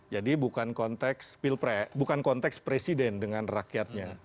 jadi bukan konteks presiden dengan rakyatnya